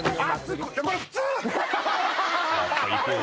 これ普通！